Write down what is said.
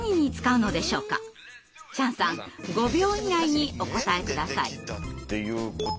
チャンさん５秒以内にお答え下さい。